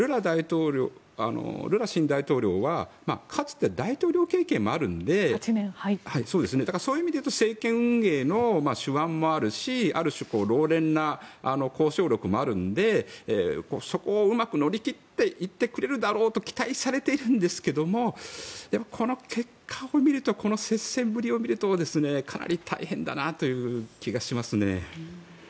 ルラ新大統領はかつて大統領経験もあるのでそういう意味で言うと政権運営の手腕もあるしある種、老練な交渉力もあるのでそこをうまく乗り切っていってくれるだろうと期待されているんですがこの結果を見るとこの接戦ぶりを見るとかなり大変だなという気がしますね。